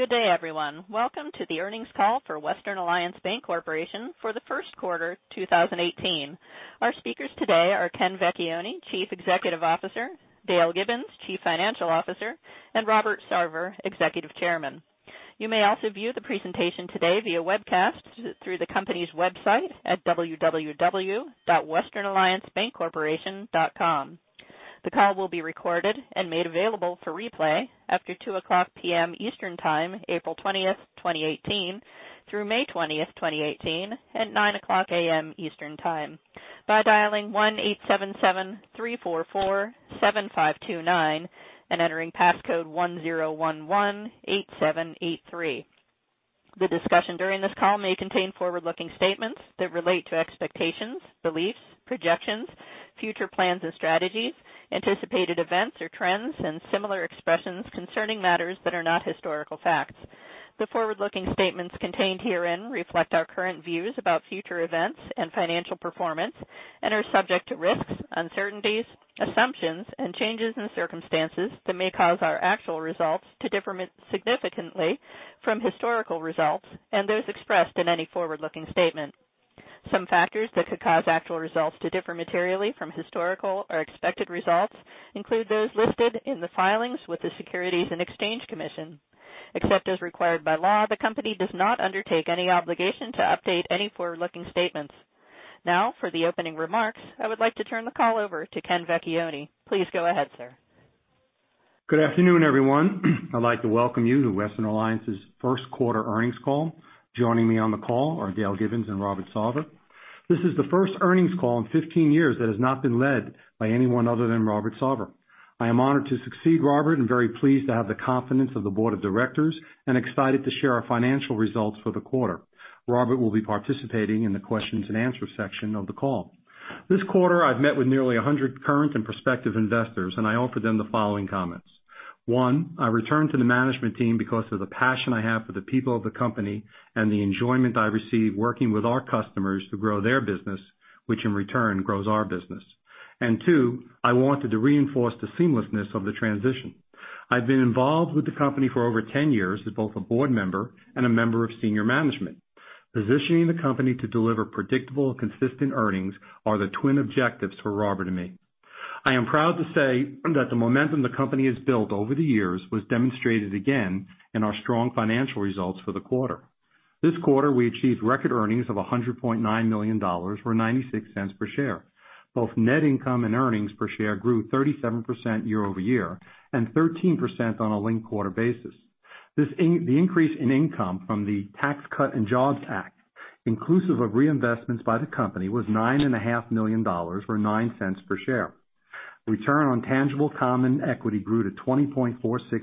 Good day, everyone. Welcome to the earnings call for Western Alliance Bancorporation for the Q1 2018. Our speakers today are Ken Vecchione, Chief Executive Officer, Dale Gibbons, Chief Financial Officer, and Robert Sarver, Executive Chairman. You may also view the presentation today via webcast through the company's website at www.westernalliancebancorporation.com. The call will be recorded and made available for replay after 2:00 P.M. Eastern Time, April 20th, 2018, through May 20th, 2018, at 9:00 A.M. Eastern Time, by dialing 1-877-344-7529 and entering passcode 10118783. The discussion during this call may contain forward-looking statements that relate to expectations, beliefs, projections, future plans or strategies, anticipated events or trends, and similar expressions concerning matters that are not historical facts. The forward-looking statements contained herein reflect our current views about future events and financial performance and are subject to risks, uncertainties, assumptions, and changes in circumstances that may cause our actual results to differ significantly from historical results and those expressed in any forward-looking statement. Some factors that could cause actual results to differ materially from historical or expected results include those listed in the filings with the Securities and Exchange Commission. Except as required by law, the company does not undertake any obligation to update any forward-looking statements. Now, for the opening remarks, I would like to turn the call over to Ken Vecchione. Please go ahead, sir. Good afternoon, everyone. I'd like to welcome you to Western Alliance's Q1 earnings call. Joining me on the call are Dale Gibbons and Robert Sarver. This is the first earnings call in 15 years that has not been led by anyone other than Robert Sarver. I am honored to succeed Robert and very pleased to have the confidence of the board of directors and excited to share our financial results for the quarter. Robert will be participating in the questions and answers section of the call. This quarter, I've met with nearly 100 current and prospective investors. I offer them the following comments. One, I returned to the management team because of the passion I have for the people of the company and the enjoyment I receive working with our customers to grow their business, which in return grows our business. Two, I wanted to reinforce the seamlessness of the transition. I've been involved with the company for over 10 years as both a board member and a member of senior management. Positioning the company to deliver predictable and consistent earnings are the twin objectives for Robert and me. I am proud to say that the momentum the company has built over the years was demonstrated again in our strong financial results for the quarter. This quarter, we achieved record earnings of $100.9 million, or $0.96 per share. Both net income and earnings per share grew 37% year-over-year and 13% on a linked-quarter basis. The increase in income from the Tax Cuts and Jobs Act, inclusive of reinvestments by the company, was $9.5 million or $0.09 per share. Return on tangible common equity grew to 20.46%,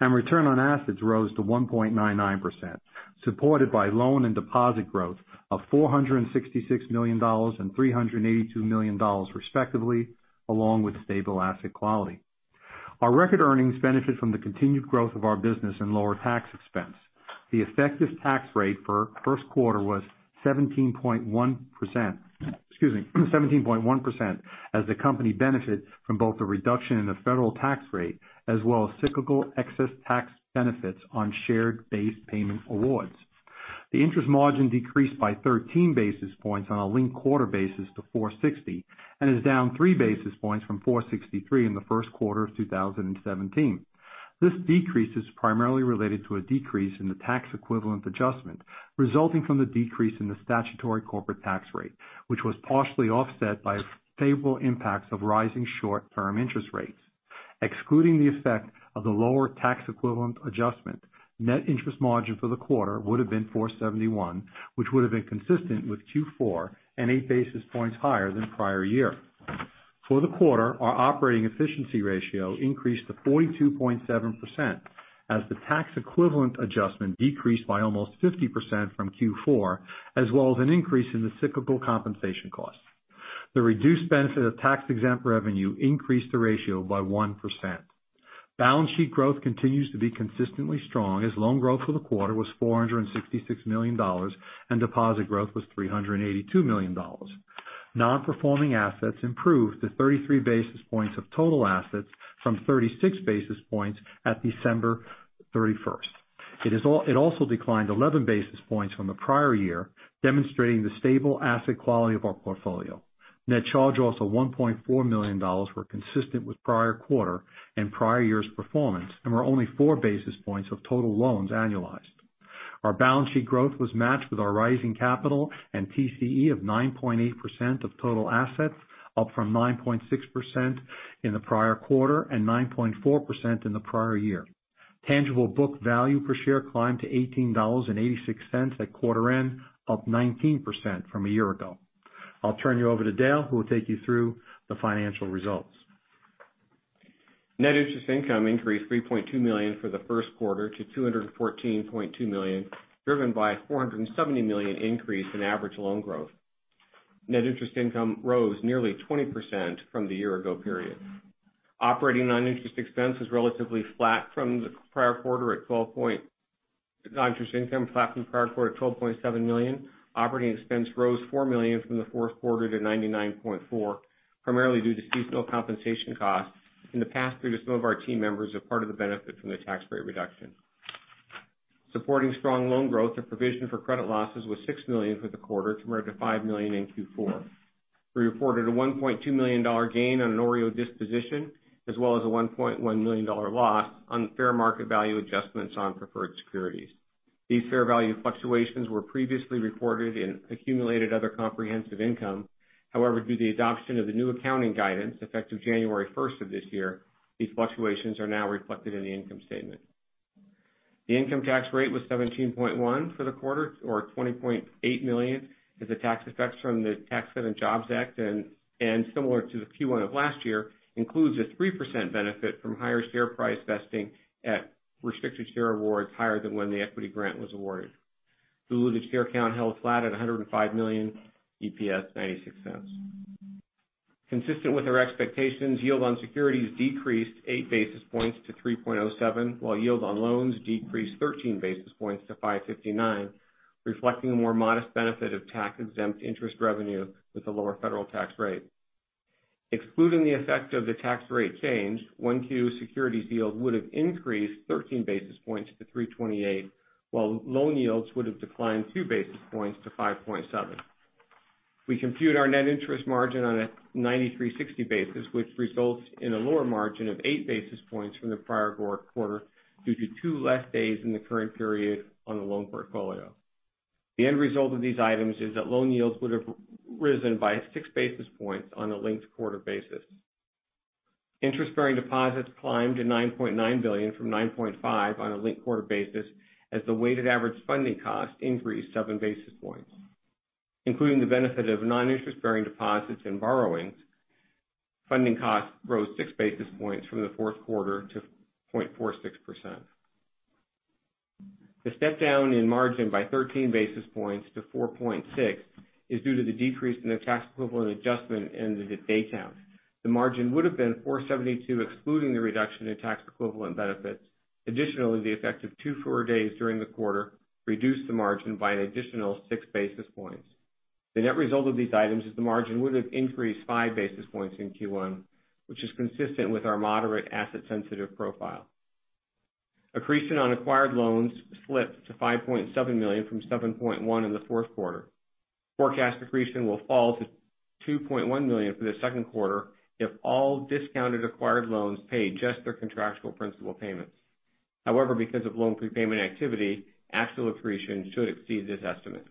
and return on assets rose to 1.99%, supported by loan and deposit growth of $466 million and $382 million respectively, along with stable asset quality. Our record earnings benefit from the continued growth of our business and lower tax expense. The effective tax rate for Q1 was 17.1% as the company benefits from both the reduction in the federal tax rate as well as cyclical excess tax benefits on share-based payment awards. The interest margin decreased by 13 basis points on a linked-quarter basis to 460, and is down three basis points from 463 in the Q1 of 2017. This decrease is primarily related to a decrease in the tax equivalent adjustment resulting from the decrease in the statutory corporate tax rate, which was partially offset by favorable impacts of rising short-term interest rates. Excluding the effect of the lower tax equivalent adjustment, net interest margin for the quarter would've been 471, which would've been consistent with Q4 and eight basis points higher than prior year. For the quarter, our operating efficiency ratio increased to 42.7% as the tax equivalent adjustment decreased by almost 50% from Q4, as well as an increase in the cyclical compensation costs. The reduced benefit of tax-exempt revenue increased the ratio by 1%. Balance sheet growth continues to be consistently strong as loan growth for the quarter was $466 million, and deposit growth was $382 million. Non-performing assets improved to 33 basis points of total assets from 36 basis points at December 31st. It also declined 11 basis points from the prior year, demonstrating the stable asset quality of our portfolio. Net charge-offs of $1.4 million were consistent with prior quarter and prior year's performance and were only four basis points of total loans annualized. Our balance sheet growth was matched with our rising capital and TCE of 9.8% of total assets, up from 9.6% in the prior quarter and 9.4% in the prior year. Tangible book value per share climbed to $18.86 at quarter end, up 19% from a year ago. I'll turn you over to Dale, who will take you through the financial results. Net interest income increased $3.2 million for the Q1 to $214.2 million, driven by a $470 million increase in average loan growth. Net interest income rose nearly 20% from the year-ago period. Operating non-interest expense was relatively flat from the prior quarter at $12.2 Non-interest income was flat from the prior quarter at $12.7 million. Operating expense rose $4 million from the Q4 to $99.4 million, primarily due to seasonal compensation costs in the past due to some of our team members are part of the benefit from the tax rate reduction. Supporting strong loan growth and provision for credit losses was $6 million for the quarter, compared to $5 million in Q4. We reported a $1.2 million gain on an OREO disposition, as well as a $1.1 million loss on fair market value adjustments on preferred securities. These fair value fluctuations were previously reported in accumulated other comprehensive income. However, due to the adoption of the new accounting guidance effective January first of this year, these fluctuations are now reflected in the income statement. The income tax rate was 17.1% for the quarter, or $20.8 million, as the tax effects from the Tax Cuts and Jobs Act, and similar to the Q1 of last year, includes a 3% benefit from higher share price vesting at restricted share awards higher than when the equity grant was awarded. Diluted share count held flat at 105 million. EPS, $0.96. Consistent with our expectations, yield on securities decreased eight basis points to 3.07%, while yields on loans decreased 13 basis points to 5.59%, reflecting a more modest benefit of tax-exempt interest revenue with a lower federal tax rate. Excluding the effect of the tax rate change, Q1 securities yield would've increased 13 basis points to 3.28%, while loan yields would've declined two basis points to 5.7%. We compute our net interest margin on a 93/60 basis, which results in a lower margin of eight basis points from the prior quarter due to two less days in the current period on the loan portfolio. The end result of these items is that loan yields would've risen by six basis points on a linked-quarter basis. Interest-bearing deposits climbed to $9.9 billion from $9.5 billion on a linked-quarter basis as the weighted average funding cost increased seven basis points. Including the benefit of non-interest-bearing deposits and borrowings, funding costs rose six basis points from the Q4 to 0.46%. The step down in margin by 13 basis points to 4.6% is due to the decrease in the tax equivalent adjustment and the day count. The margin would've been 4.72%, excluding the reduction in tax equivalent benefits. Additionally, the effect of two fewer days during the quarter reduced the margin by an additional six basis points. The net result of these items is the margin would've increased five basis points in Q1, which is consistent with our moderate asset-sensitive profile. Accretion on acquired loans slipped to $5.7 million from $7.1 million in the Q4. Forecast accretion will fall to $2.1 million for the Q2 if all discounted acquired loans pay just their contractual principal payments. However, because of loan prepayment activity, actual accretion should exceed this estimate.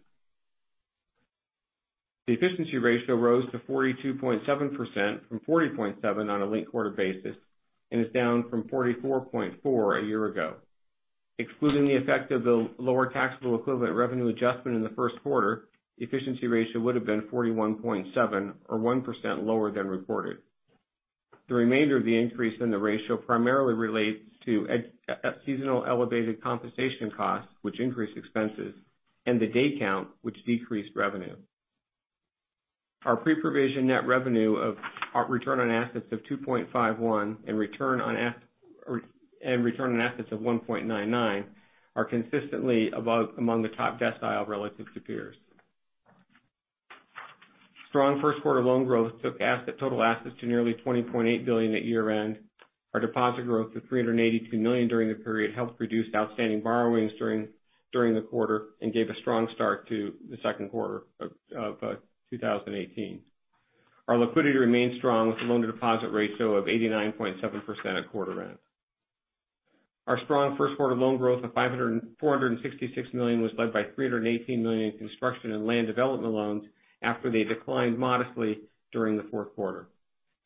The efficiency ratio rose to 42.7% from 40.7% on a linked-quarter basis, and is down from 44.4% a year ago. Excluding the effect of the lower taxable equivalent revenue adjustment in the Q1, the efficiency ratio would've been 41.7%, or 1% lower than reported. The remainder of the increase in the ratio primarily relates to seasonal elevated compensation costs, which increased expenses, and the day count, which decreased revenue. Our pre-provision net revenue return on assets of 2.51 and return on assets of 1.99 are consistently above among the top decile relative to peers. Strong Q1 loan growth took total assets to nearly $20.8 billion at year-end. Our deposit growth of $382 million during the period helped reduce outstanding borrowings during the quarter and gave a strong start to the Q2 of 2018. Our liquidity remains strong with a loan-to-deposit ratio of 89.7% at quarter end. Our strong Q1 loan growth of $466 million was led by $318 million in construction and land development loans after they declined modestly during the Q4.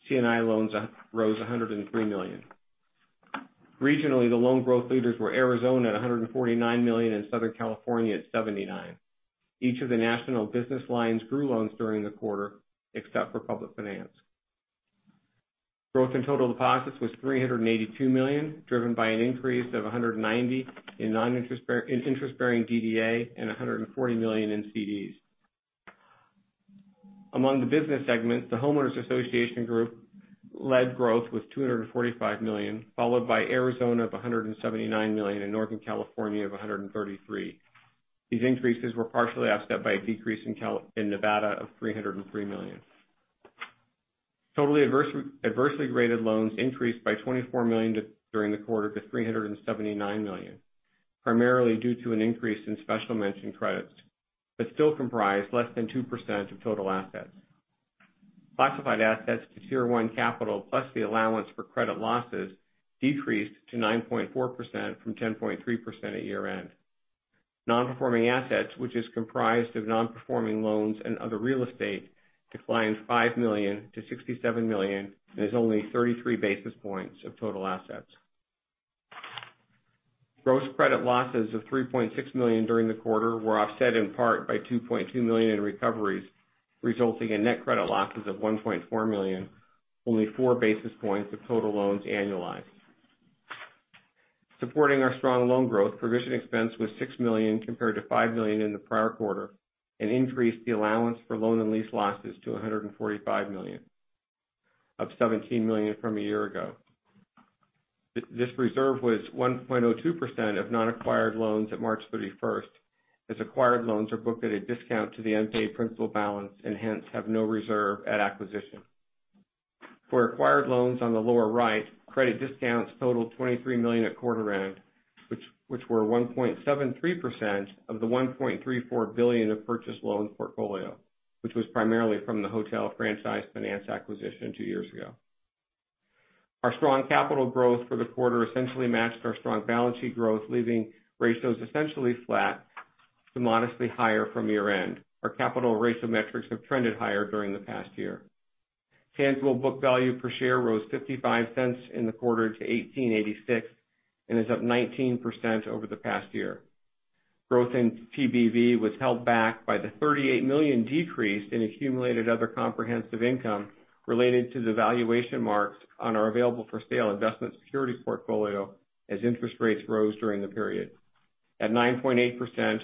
C&I loans rose $103 million. Regionally, the loan growth leaders were Arizona at $149 million and Southern California at $79 million. Each of the national business lines grew loans during the quarter, except for public finance. Growth in total deposits was $382 million, driven by an increase of $190 million in interest-bearing DDA and $140 million in CDs. Among the business segments, the homeowners association group led growth with $245 million, followed by Arizona of $179 million, and Northern California of $133 million. These increases were partially offset by a decrease in Nevada of $303 million. Totally adversely rated loans increased by $24 million during the quarter to $379 million, primarily due to an increase in special mention credits, but still comprise less than 2% of total assets. Classified assets to Tier 1 capital plus the allowance for credit losses decreased to 9.4% from 10.3% at year end. Non-performing assets, which is comprised of non-performing loans and other real estate, declined $5 million to $67 million and is only 33 basis points of total assets. Gross credit losses of $3.6 million during the quarter were offset in part by $2.2 million in recoveries, resulting in net credit losses of $1.4 million, only four basis points of total loans annualized. Supporting our strong loan growth, provision expense was $6 million compared to $5 million in the prior quarter and increased the allowance for loan and lease losses to $145 million. Of $17 million from a year ago. This reserve was 1.02% of non-acquired loans at March 31st, as acquired loans are booked at a discount to the unpaid principal balance and hence have no reserve at acquisition. For acquired loans on the lower right, credit discounts totaled $23 million at quarter end, which were 1.73% of the $1.34 billion of purchased loan portfolio, which was primarily from the Hotel Franchise Finance acquisition two years ago. Our strong capital growth for the quarter essentially matched our strong balance sheet growth, leaving ratios essentially flat to modestly higher from year-end. Our capital ratio metrics have trended higher during the past year. Tangible book value per share rose $0.55 in the quarter to $18.86, and is up 19% over the past year. Growth in TBV was held back by the $38 million decrease in accumulated other comprehensive income related to the valuation marks on our available-for-sale investment securities portfolio as interest rates rose during the period. At 9.8%,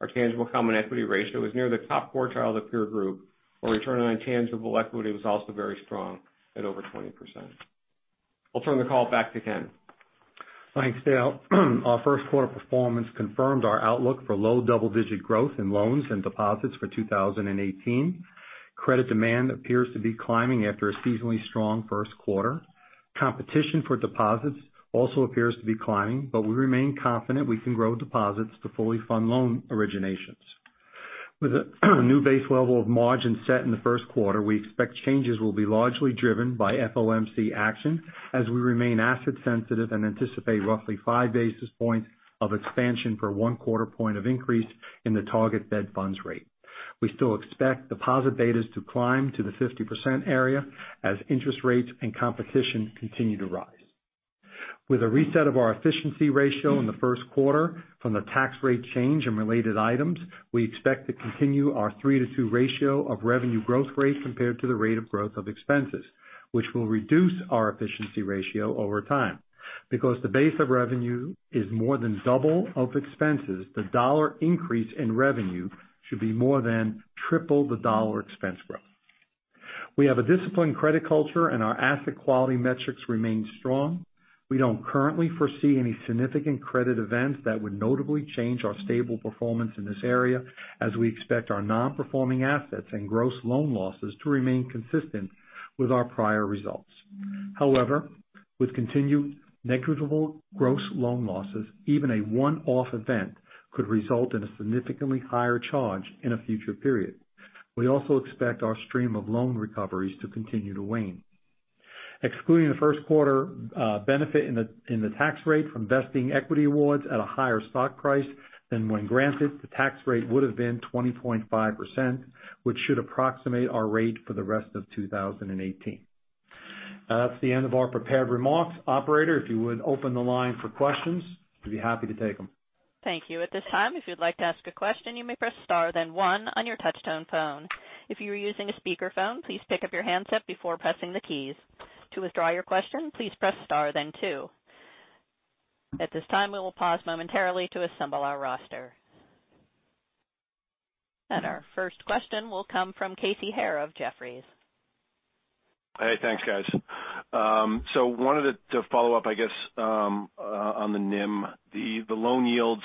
our tangible common equity ratio is near the top quartile of the peer group, while return on tangible equity was also very strong at over 20%. I'll turn the call back to Ken. Thanks, Dale. Our Q1 performance confirmed our outlook for low double-digit growth in loans and deposits for 2018. Credit demand appears to be climbing after a seasonally strong Q1. Competition for deposits also appears to be climbing, we remain confident we can grow deposits to fully fund loan originations. With a new base level of margin set in the Q1, we expect changes will be largely driven by FOMC action as we remain asset sensitive and anticipate roughly five basis points of expansion per one quarter point of increase in the target Fed funds rate. We still expect deposit betas to climb to the 50% area as interest rates and competition continue to rise. With a reset of our efficiency ratio in the Q1 from the tax rate change and related items, we expect to continue our three to two ratio of revenue growth rate compared to the rate of growth of expenses, which will reduce our efficiency ratio over time. Because the base of revenue is more than double of expenses, the dollar increase in revenue should be more than triple the dollar expense growth. We have a disciplined credit culture, our asset quality metrics remain strong. We don't currently foresee any significant credit events that would notably change our stable performance in this area, as we expect our non-performing assets and gross loan losses to remain consistent with our prior results. However, with continued negligible gross loan losses, even a one-off event could result in a significantly higher charge in a future period. We also expect our stream of loan recoveries to continue to wane. Excluding the Q1 benefit in the tax rate from vesting equity awards at a higher stock price than when granted, the tax rate would've been 20.5%, which should approximate our rate for the rest of 2018. That's the end of our prepared remarks. Operator, if you would open the line for questions, we'd be happy to take them. Thank you. At this time, if you'd like to ask a question, you may press star then one on your touch tone phone. If you are using a speakerphone, please pick up your handset before pressing the keys. To withdraw your question, please press star then two. At this time, we will pause momentarily to assemble our roster. Our first question will come from Casey Haire of Jefferies. Hey, thanks, guys. Wanted to follow up, I guess, on the NIM. The loan yields,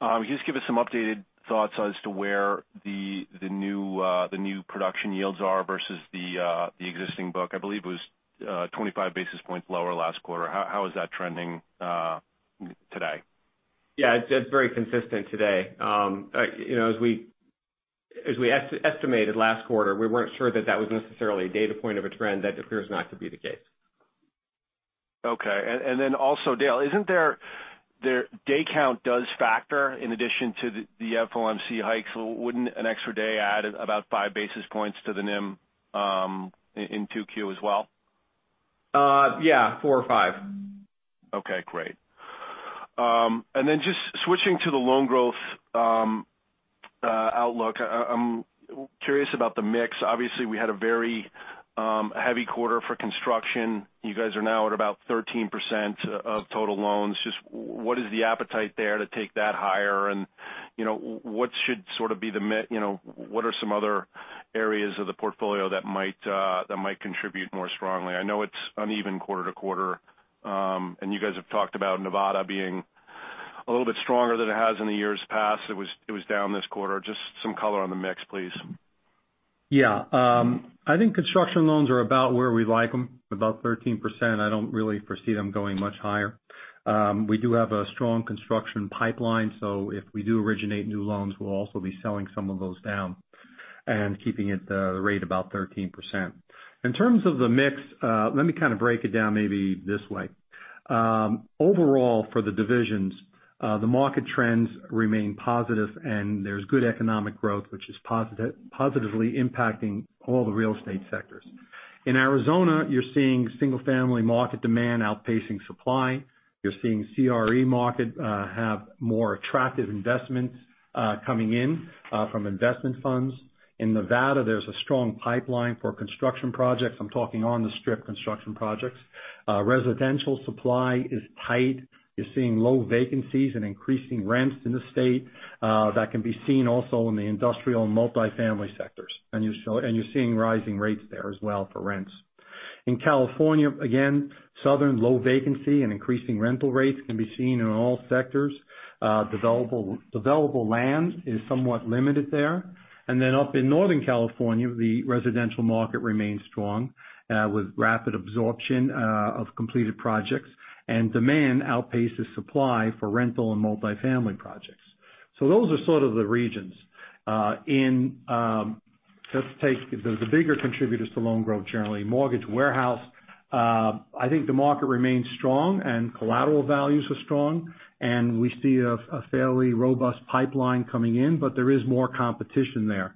can you just give us some updated thoughts as to where the new production yields are versus the existing book? I believe it was 25 basis points lower last quarter. How is that trending today? Yeah, it's very consistent today. As we estimated last quarter, we weren't sure that that was necessarily a data point of a trend. That appears not to be the case. Okay. Also, Dale, day count does factor in addition to the FOMC hikes. Wouldn't an extra day add about five basis points to the NIM in 2Q as well? Yeah, four or five. Okay, great. Just switching to the loan growth outlook. I'm curious about the mix. Obviously, we had a very heavy quarter for construction. You guys are now at about 13% of total loans. Just what is the appetite there to take that higher? What are some other areas of the portfolio that might contribute more strongly? I know it's uneven quarter-to-quarter. You guys have talked about Nevada being a little bit stronger than it has in the years past. It was down this quarter. Just some color on the mix, please. Yeah. I think construction loans are about where we like them, about 13%. I don't really foresee them going much higher. We do have a strong construction pipeline, so if we do originate new loans, we'll also be selling some of those down and keeping it at a rate about 13%. In terms of the mix, let me kind of break it down maybe this way. Overall, for the divisions, the market trends remain positive, and there's good economic growth, which is positively impacting all the real estate sectors. In Arizona, you're seeing single-family market demand outpacing supply. You're seeing CRE market have more attractive investments coming in from investment funds. In Nevada, there's a strong pipeline for construction projects. I'm talking on the Strip construction projects. Residential supply is tight. You're seeing low vacancies and increasing rents in the state. That can be seen also in the industrial and multifamily sectors. You're seeing rising rates there as well for rents. In California, again, southern low vacancy and increasing rental rates can be seen in all sectors. Available land is somewhat limited there. Then up in Northern California, the residential market remains strong, with rapid absorption of completed projects and demand outpaces supply for rental and multifamily projects. Those are sort of the regions. Let's take the bigger contributors to loan growth, generally. Mortgage warehouse, I think the market remains strong and collateral values are strong, and we see a fairly robust pipeline coming in, but there is more competition there.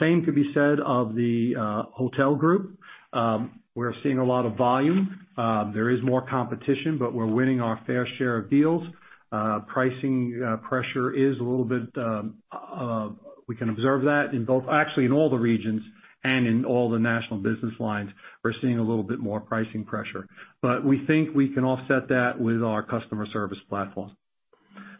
Same could be said of the hotel group. We're seeing a lot of volume. There is more competition, but we're winning our fair share of deals. Pricing pressure is a little bit. We can observe that in both, actually, in all the regions and in all the national business lines. We're seeing a little bit more pricing pressure. We think we can offset that with our customer service platform.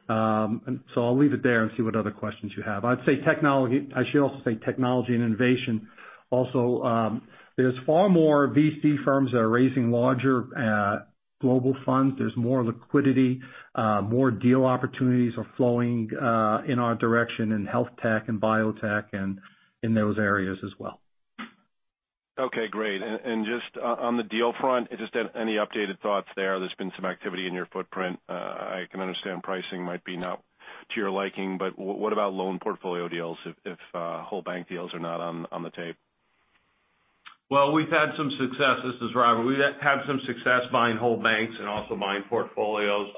I'll leave it there and see what other questions you have. I should also say technology and innovation also. There's far more VC firms that are raising larger global funds. There's more liquidity. More deal opportunities are flowing in our direction in health tech and biotech and in those areas as well. Okay, great. Just on the deal front, just any updated thoughts there? There's been some activity in your footprint. I can understand pricing might be not to your liking, but what about loan portfolio deals if whole bank deals are not on the table? We've had some success. This is Robert. We have had some success buying whole banks and also buying portfolios.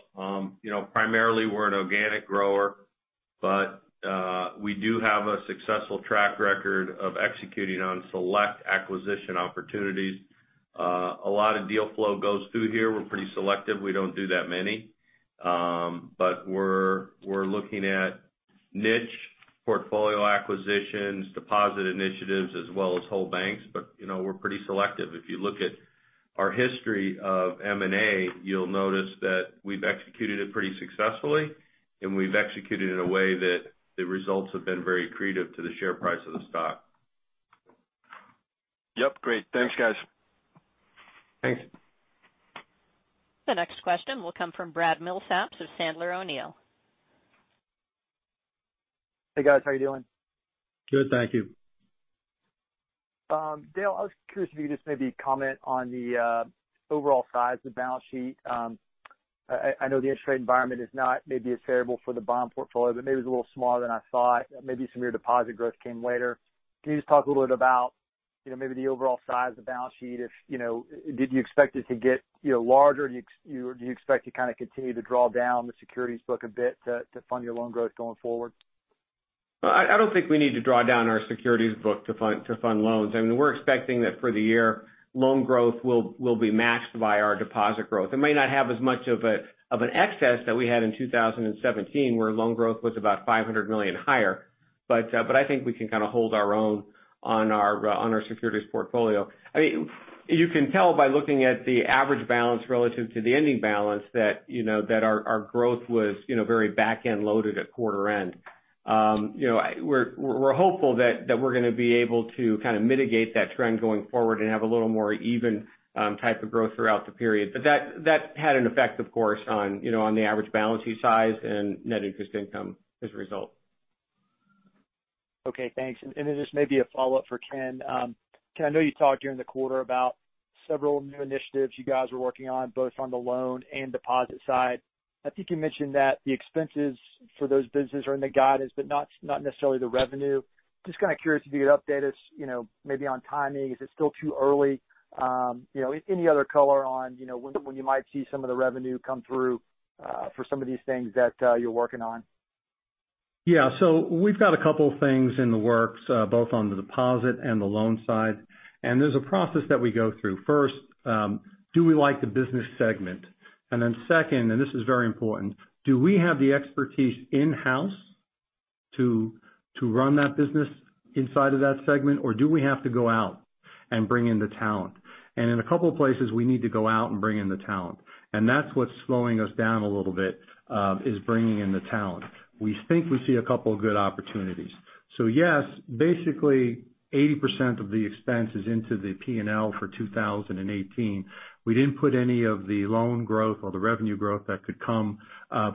Primarily, we're an organic grower, but we do have a successful track record of executing on select acquisition opportunities. A lot of deal flow goes through here. We're pretty selective. We don't do that many. We're looking at niche portfolio acquisitions, deposit initiatives, as well as whole banks. We're pretty selective. If you look at our history of M&A, you'll notice that we've executed it pretty successfully, and we've executed it in a way that the results have been very accretive to the share price of the stock. Yes, great. Thanks, guys. Thanks. The next question will come from Brad Milsaps of Sandler O'Neill. Hey, guys. How are you doing? Good, thank you. Dale, I was curious if you could just maybe comment on the overall size of the balance sheet. I know the interest rate environment is not maybe as favorable for the bond portfolio, but maybe it's a little smaller than I thought. Maybe some of your deposit growth came later. Can you just talk a little bit about maybe the overall size of the balance sheet? Did you expect it to get larger? Do you expect to kind of continue to draw down the securities book a bit to fund your loan growth going forward? I don't think we need to draw down our securities book to fund loans. I mean, we're expecting that for the year, loan growth will be matched by our deposit growth. It might not have as much of an excess that we had in 2017, where loan growth was about $500 million higher. I think we can kind of hold our own on our securities portfolio. I mean, you can tell by looking at the average balance relative to the ending balance that our growth was very back-end loaded at quarter end. We're hopeful that we're going to be able to kind of mitigate that trend going forward and have a little more even type of growth throughout the period. That had an effect, of course, on the average balance sheet size and net interest income as a result. Okay, thanks. Just maybe a follow-up for Ken. Ken, I know you talked during the quarter about several new initiatives you guys were working on, both on the loan and deposit side. I think you mentioned that the expenses for those businesses are in the guidance, but not necessarily the revenue. Just kind of curious if you could update us maybe on timing. Is it still too early? Any other color on when you might see some of the revenue come through for some of these things that you're working on? Yeah. We've got a couple things in the works, both on the deposit and the loan side. There's a process that we go through. First, do we like the business segment? Second, and this is very important, do we have the expertise in-house to run that business inside of that segment, or do we have to go out and bring in the talent? In a couple of places, we need to go out and bring in the talent. That's what's slowing us down a little bit is bringing in the talent. We think we see a couple of good opportunities. Yes, basically 80% of the expense is into the P&L for 2018. We didn't put any of the loan growth or the revenue growth that could come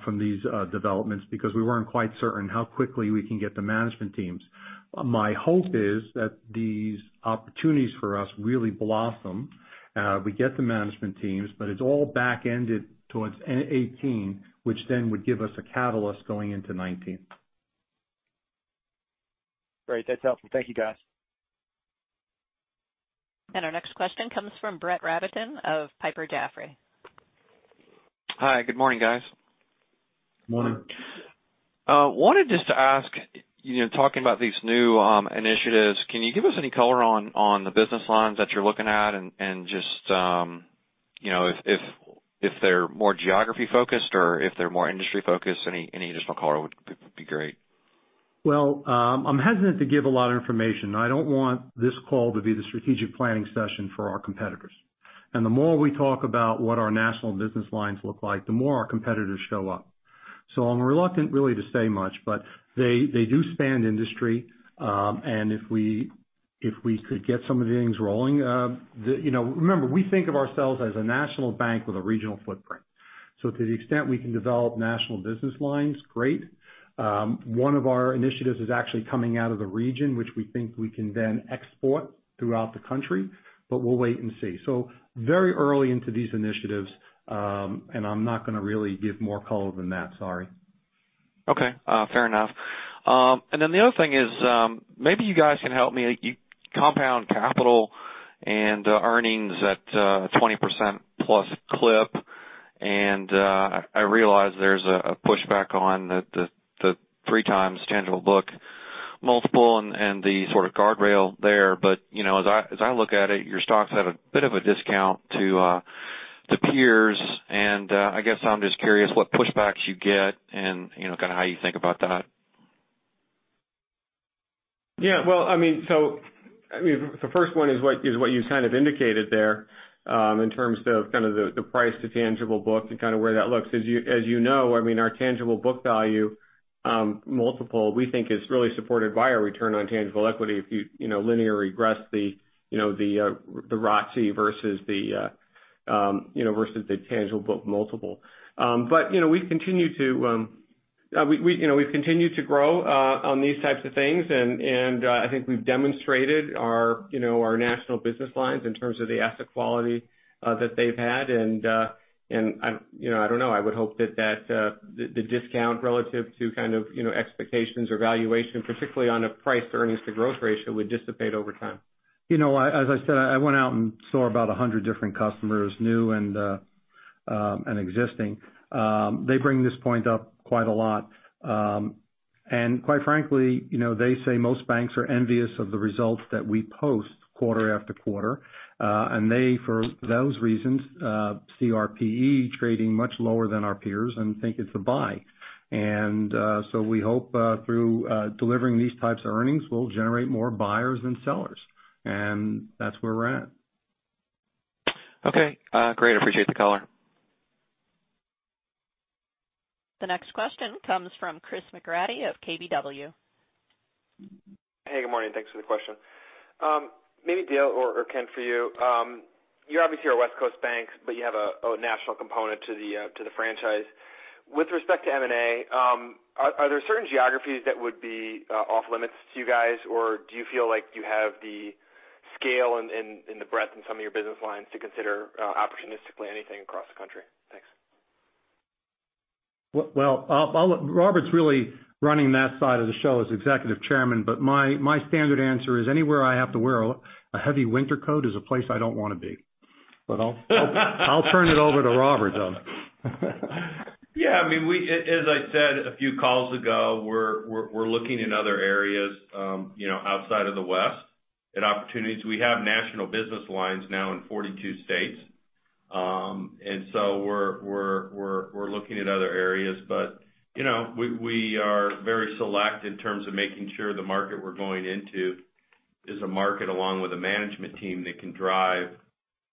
from these developments because we weren't quite certain how quickly we can get the management teams. My hope is that these opportunities for us really blossom. We get the management teams, but it's all back-ended towards end of 2018, which then would give us a catalyst going into 2019. Great. That's helpful. Thank you, guys. Our next question comes from Brett Rabatin of Piper Jaffray. Hi, good morning, guys. Wanted just to ask, talking about these new initiatives, can you give us any color on the business lines that you're looking at and just if they're more geography focused or if they're more industry focused? Any additional color would be great. Well, I'm hesitant to give a lot of information. I don't want this call to be the strategic planning session for our competitors. The more we talk about what our national business lines look like, the more our competitors show up. I'm reluctant really to say much, but they do span industry. If we could get some of the things rolling Remember, we think of ourselves as a national bank with a regional footprint. To the extent we can develop national business lines, great. One of our initiatives is actually coming out of the region, which we think we can then export throughout the country, but we'll wait and see. Very early into these initiatives, and I'm not going to really give more color than that. Sorry. Okay. Fair enough. Then the other thing is, maybe you guys can help me. You compound capital and earnings at 20%+ clip, and I realize there's a pushback on the 3 times tangible book multiple and the sort of guardrail there. As I look at it, your stocks have a bit of a discount to peers, and I guess I'm just curious what pushbacks you get and kind of how you think about that. Yeah. Well, the first one is what you kind of indicated there, in terms of kind of the price to tangible book and kind of where that looks. As you know, our tangible book value multiple, we think, is really supported by our return on tangible equity if you linearly regress the ROCE versus the tangible book multiple. We've continued to grow on these types of things, and I think we've demonstrated our national business lines in terms of the asset quality that they've had. I don't know. I would hope that the discount relative to expectations or valuation, particularly on a price earnings to growth ratio, would dissipate over time. As I said, I went out and saw about 100 different customers, new and existing. They bring this point up quite a lot. Quite frankly, they say most banks are envious of the results that we post quarter after quarter. They, for those reasons, see our PE trading much lower than our peers and think it's a buy. We hope through delivering these types of earnings, we'll generate more buyers than sellers, and that's where we're at. Okay. Great. I appreciate the color. The next question comes from Chris McGratty of KBW. Hey, good morning. Thanks for the question. Maybe Dale or Ken for you. You're obviously a West Coast bank, but you have a national component to the franchise. With respect to M&A, are there certain geographies that would be off limits to you guys, or do you feel like you have the scale and the breadth in some of your business lines to consider opportunistically anything across the country? Thanks. Well, Robert's really running that side of the show as Executive Chairman, my standard answer is anywhere I have to wear a heavy winter coat is a place I don't want to be. I'll turn it over to Robert, though. Yeah. As I said a few calls ago, we're looking in other areas outside of the West at opportunities. We have national business lines now in 42 states. We're looking at other areas. We are very select in terms of making sure the market we're going into is a market along with a management team that can drive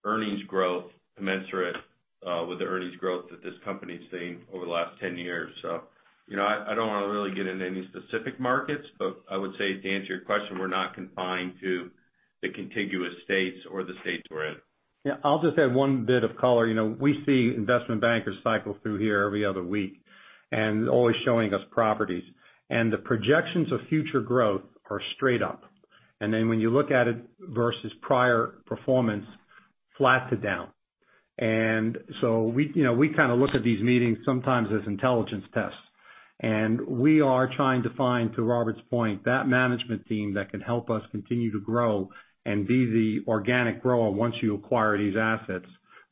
earnings growth commensurate with the earnings growth that this company's seen over the last 10 years. I don't want to really get into any specific markets, I would say to answer your question, we're not confined to the contiguous states or the states we're in. Yeah. I'll just add one bit of color. We see investment bankers cycle through here every other week and always showing us properties. The projections of future growth are straight up. When you look at it versus prior performance, flat to down. We kind of look at these meetings sometimes as intelligence tests, we are trying to find, to Robert's point, that management team that can help us continue to grow and be the organic grower once you acquire these assets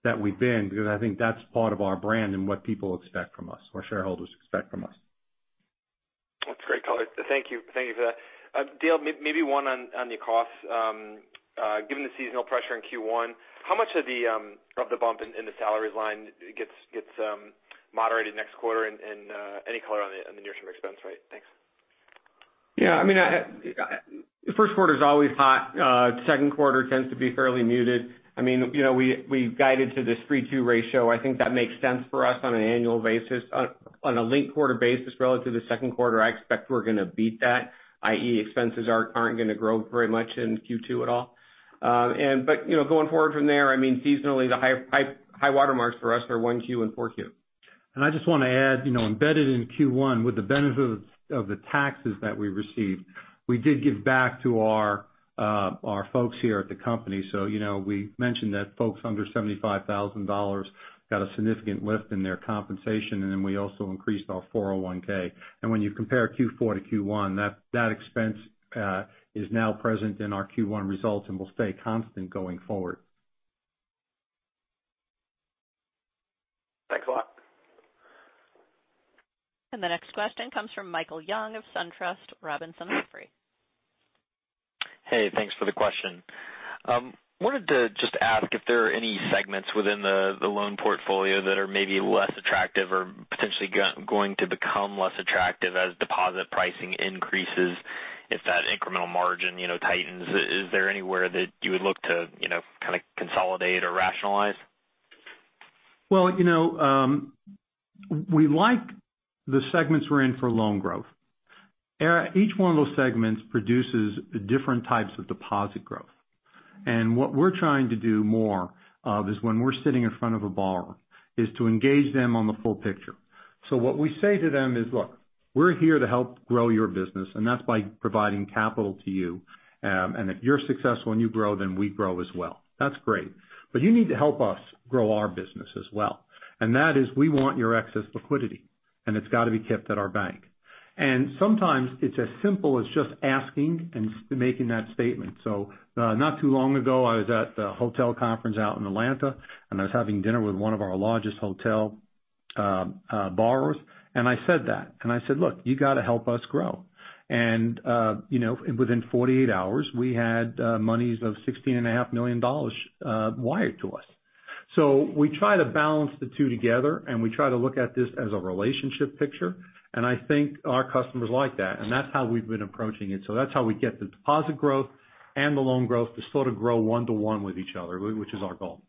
that we've been, because I think that's part of our brand and what people expect from us, what shareholders expect from us. That's a great color. Thank you for that. Dale, maybe one on the costs. Given the seasonal pressure in Q1, how much of the bump in the salaries line gets moderated next quarter and any color on the near-term expense rate? Thanks. Yeah. First quarter's always hot. Q2 tends to be fairly muted. We guided to this 3-2 ratio. I think that makes sense for us on an annual basis. On a linked quarter basis relative to Q2, I expect we're going to beat that, i.e., expenses aren't going to grow very much in Q2 at all. Going forward from there, seasonally, the high water marks for us are 1Q and 4Q. I just want to add, embedded in Q1 with the benefit of the taxes that we received, we did give back to our folks here at the company. We mentioned that folks under $75,000 got a significant lift in their compensation, we also increased our 401(k). When you compare Q4 to Q1, that expense is now present in our Q1 results and will stay constant going forward. Thanks a lot. The next question comes from Michael Young of SunTrust Robinson Humphrey. Hey, thanks for the question. I wanted to just ask if there are any segments within the loan portfolio that are maybe less attractive or potentially going to become less attractive as deposit pricing increases. If that incremental margin tightens, is there anywhere that you would look to kind of consolidate or rationalize? We like the segments we're in for loan growth. Each one of those segments produces different types of deposit growth. What we're trying to do more of is when we're sitting in front of a borrower, is to engage them on the full picture. What we say to them is, "Look, we're here to help grow your business, and that's by providing capital to you. If you're successful and you grow, then we grow as well. That's great. You need to help us grow our business as well. That is, we want your excess liquidity, and it's got to be kept at our bank." Sometimes it's as simple as just asking and making that statement. Not too long ago, I was at the hotel conference out in Atlanta, and I was having dinner with one of our largest hotel borrowers. I said that. I said, "Look, you got to help us grow." Within 48 hours, we had monies of $16.5 million wired to us. We try to balance the two together, and we try to look at this as a relationship picture, and I think our customers like that. That's how we've been approaching it. That's how we get the deposit growth and the loan growth to sort of grow one-to-one with each other, which is our goal.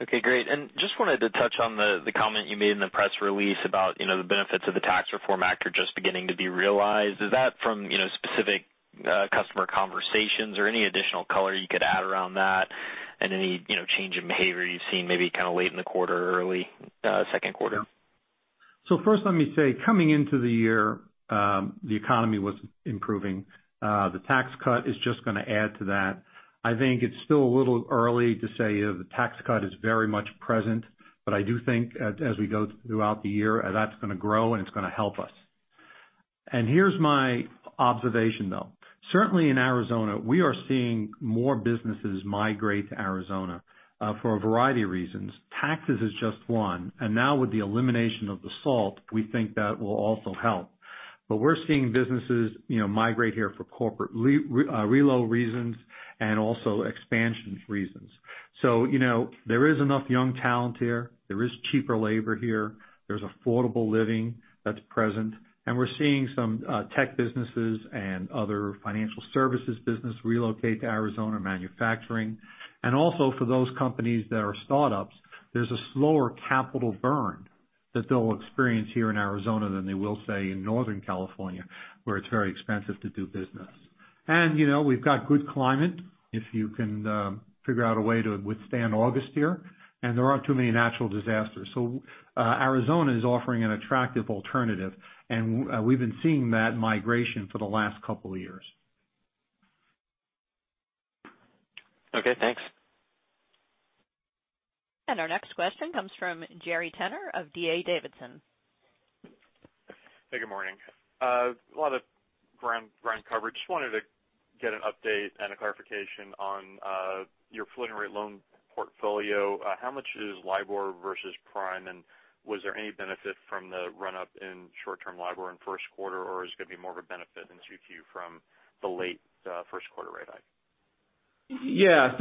Okay, great. Just wanted to touch on the comment you made in the press release about the benefits of the Tax Reform Act are just beginning to be realized. Is that from specific customer conversations, or any additional color you could add around that? Any change in behavior you've seen maybe kind of late in the quarter, early Q2? First let me say, coming into the year, the economy was improving. The tax cut is just going to add to that. I think it's still a little early to say the tax cut is very much present, but I do think as we go throughout the year, that's going to grow and it's going to help us. Here's my observation, though. Certainly in Arizona, we are seeing more businesses migrate to Arizona for a variety of reasons. Taxes is just one. Now with the elimination of the SALT, we think that will also help. We're seeing businesses migrate here for corporate reload reasons and also expansion reasons. There is enough young talent here. There is cheaper labor here. There's affordable living that's present. We're seeing some tech businesses and other financial services business relocate to Arizona, manufacturing. Also for those companies that are startups, there's a slower capital burn that they'll experience here in Arizona than they will, say, in Northern California, where it's very expensive to do business. We've got good climate, if you can figure out a way to withstand August here. There aren't too many natural disasters. Arizona is offering an attractive alternative, and we've been seeing that migration for the last couple of years. Okay, thanks. Our next question comes from Gary Tenner of D.A. Davidson. Hey, good morning. A lot of ground coverage. Just wanted to get an update and a clarification on your floating rate loan portfolio. How much is LIBOR versus prime? Was there any benefit from the run-up in short-term LIBOR in Q1, or is it going to be more of a benefit in 2Q from the late Q1 rate hike? Yeah.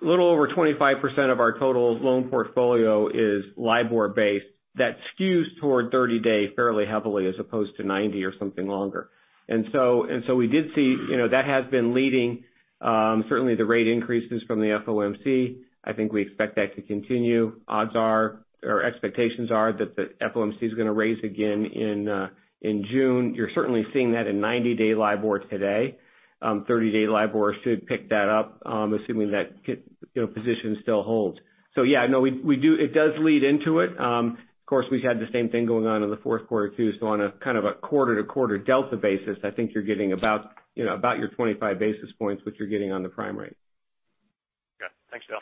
A little over 25% of our total loan portfolio is LIBOR-based. That skews toward 30-day fairly heavily as opposed to 90 or something longer. We did see that has been leading certainly the rate increases from the FOMC. I think we expect that to continue. Odds are, or expectations are that the FOMC's going to raise again in June. You're certainly seeing that in 90-day LIBOR today. 30-day LIBOR should pick that up, assuming that position still holds. Yeah. No, it does lead into it. Of course, we've had the same thing going on in the Q4, too, so on a kind of a quarter-to-quarter delta basis, I think you're getting about your 25 basis points, which you're getting on the prime rate. Yeah. Thanks, Dale.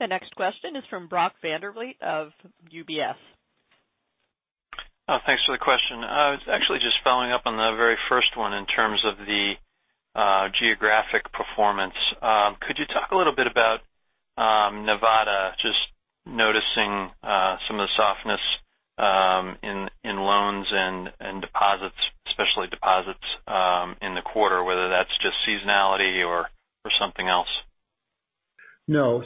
The next question is from Brock Vandervliet of UBS. Thanks for the question. I was actually just following up on the very first one in terms of the geographic performance. Could you talk a little bit about Nevada, just noticing some of the softness in loans and deposits, especially deposits in the quarter, whether that's just seasonality or something else? No.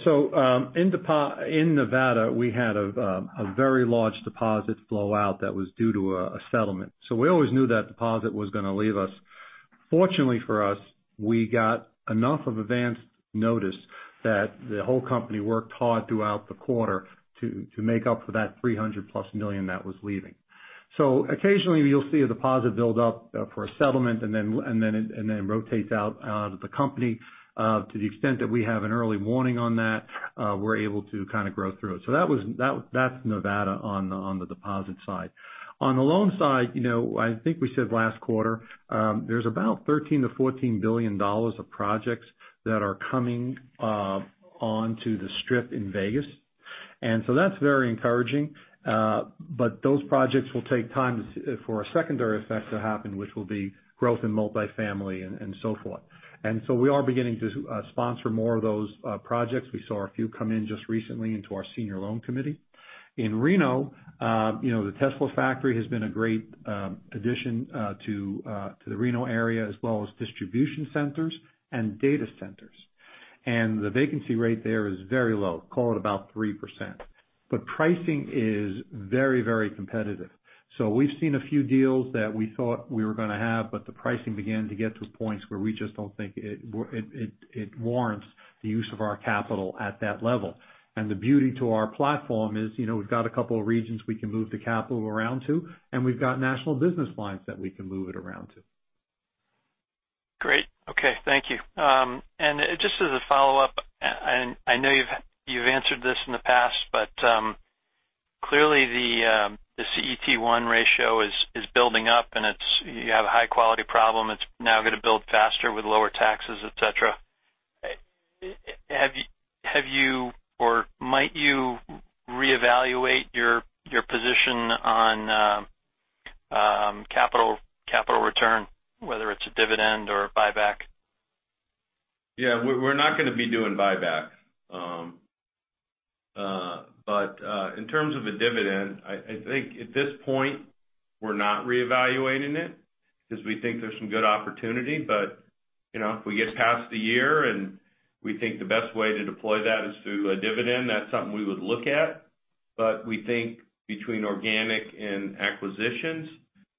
In Nevada, we had a very large deposit flow out that was due to a settlement. We always knew that deposit was going to leave us. Fortunately for us, we got enough of advanced notice that the whole company worked hard throughout the quarter to make up for that $300 million-plus that was leaving. Occasionally, you'll see a deposit build up for a settlement and then it rotates out of the company. To the extent that we have an early warning on that, we're able to kind of grow through it. That's Nevada on the deposit side. On the loan side, I think we said last quarter there's about $13 billion-$14 billion of projects that are coming onto the Strip in Vegas. That's very encouraging. Those projects will take time for a secondary effect to happen, which will be growth in multifamily and so forth. We are beginning to sponsor more of those projects. We saw a few come in just recently into our senior loan committee. In Reno, the Tesla factory has been a great addition to the Reno area, as well as distribution centers and data centers. The vacancy rate there is very low, call it about 3%. Pricing is very competitive. We've seen a few deals that we thought we were going to have, the pricing began to get to points where we just don't think it warrants the use of our capital at that level. The beauty to our platform is we've got a couple of regions we can move the capital around to, and we've got national business lines that we can move it around to. Great. Okay. Thank you. Just as a follow-up, I know you've answered this in the past, clearly the CET1 ratio is building up and you have a high-quality problem. It's now going to build faster with lower taxes, et cetera. Have you or might you reevaluate your position on capital return, whether it's a dividend or a buyback? Yeah, we're not going to be doing buyback. In terms of a dividend, I think at this point, we're not reevaluating it because we think there's some good opportunity. If we get past the year and we think the best way to deploy that is through a dividend, that's something we would look at. We think between organic and acquisitions,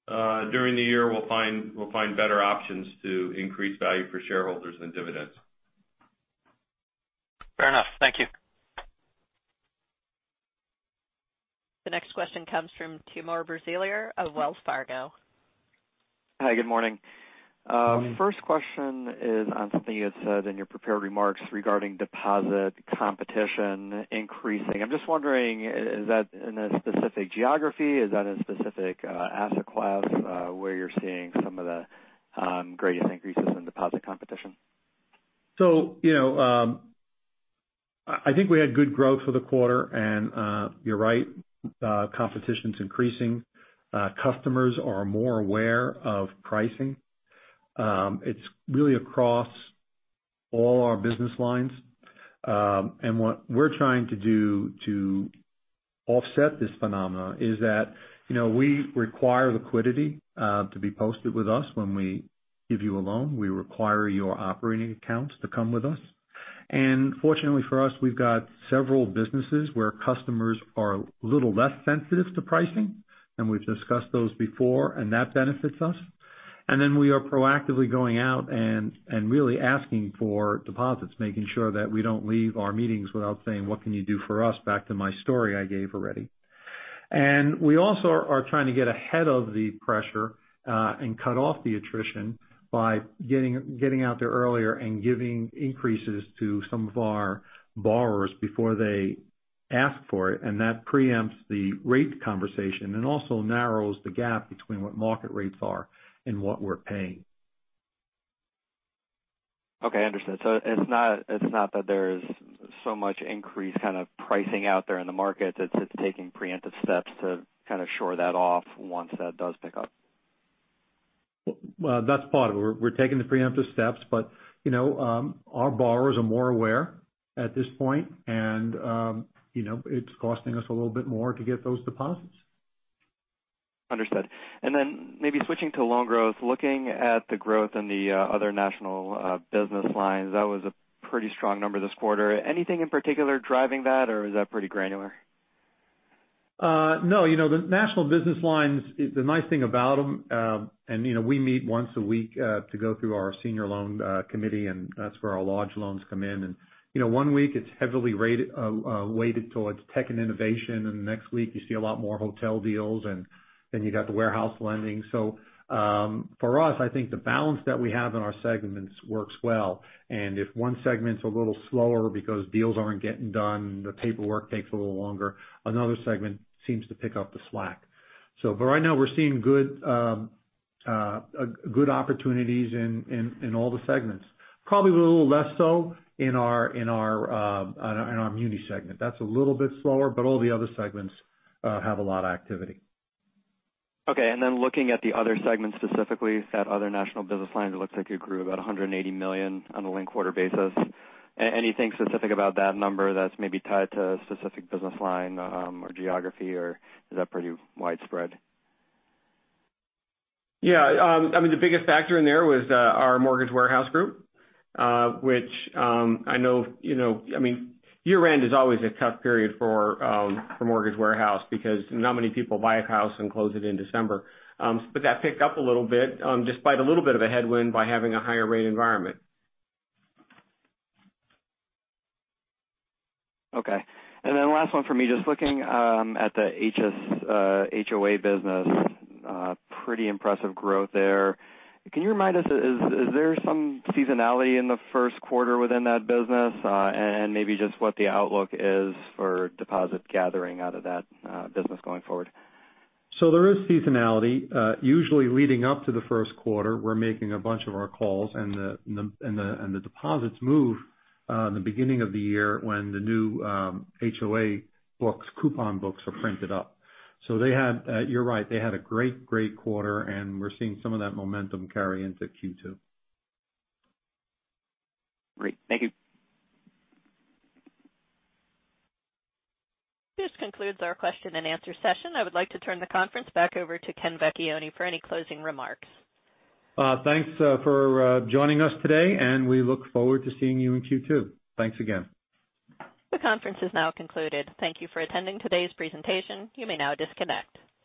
during the year, we'll find better options to increase value for shareholders than dividends. Fair enough. Thank you. The next question comes from Timur Braziler of Wells Fargo. Hi, Good morning. First question is on something you had said in your prepared remarks regarding deposit competition increasing. I'm just wondering, is that in a specific geography? Is that a specific asset class where you're seeing some of the greatest increases in deposit competition? I think we had good growth for the quarter, and you're right, competition's increasing. Customers are more aware of pricing. It's really across all our business lines. What we're trying to do to offset this phenomena is that we require liquidity to be posted with us when we give you a loan. We require your operating accounts to come with us. Fortunately for us, we've got several businesses where customers are a little less sensitive to pricing, and we've discussed those before, and that benefits us. Then we are proactively going out and really asking for deposits, making sure that we don't leave our meetings without saying, "What can you do for us?" Back to my story I gave already. We also are trying to get ahead of the pressure, and cut off the attrition by getting out there earlier and giving increases to some of our borrowers before they ask for it, and that preempts the rate conversation and also narrows the gap between what market rates are and what we're paying. Okay, understood. It's not that there's so much increased kind of pricing out there in the market. It's taking preemptive steps to kind of shore that off once that does pick up. Well, that's part of it. We're taking the preemptive steps, but our borrowers are more aware at this point, and it's costing us a little bit more to get those deposits. Understood. Then maybe switching to loan growth, looking at the growth in the other national business lines, that was a pretty strong number this quarter. Anything in particular driving that, or is that pretty granular? No. The national business lines, the nice thing about them, we meet once a week to go through our senior loan committee, and that's where our large loans come in. One week it's heavily weighted towards tech and innovation, the next week you see a lot more hotel deals, then you got the warehouse lending. For us, I think the balance that we have in our segments works well. If one segment's a little slower because deals aren't getting done, the paperwork takes a little longer, another segment seems to pick up the slack. For right now, we're seeing good opportunities in all the segments. Probably a little less so in our muni segment. That's a little bit slower, but all the other segments have a lot of activity. Okay, looking at the other segments, specifically that other national business lines, it looks like it grew about $180 million on a linked quarter basis. Anything specific about that number that's maybe tied to a specific business line or geography, or is that pretty widespread? Yeah. I mean, the biggest factor in there was our mortgage warehouse group. Year-end is always a tough period for mortgage warehouse because not many people buy a house and close it in December. That picked up a little bit despite a little bit of a headwind by having a higher rate environment. Okay. Last one from me. Just looking at the HOA business. Pretty impressive growth there. Can you remind us, is there some seasonality in the Q1 within that business? Maybe just what the outlook is for deposit gathering out of that business going forward. There is seasonality. Usually leading up to the Q1, we're making a bunch of our calls and the deposits move in the beginning of the year when the new HOA coupon books are printed up. You're right. They had a great quarter, and we're seeing some of that momentum carry into Q2. Great. Thank you. This concludes our question and answer session. I would like to turn the conference back over to Ken Vecchione for any closing remarks. Thanks for joining us today, and we look forward to seeing you in Q2. Thanks again. The conference is now concluded. Thank you for attending today's presentation. You may now disconnect.